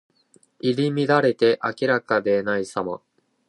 入り乱れて明らかでないさま。